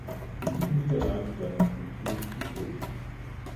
Für diese Niederlage gab sie ihm stets die Schuld.